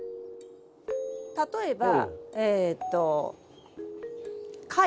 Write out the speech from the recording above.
例えばえっと貝。